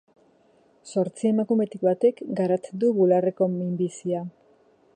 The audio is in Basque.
Zortzi emakumetik batek garatzen du bularreko minbizia.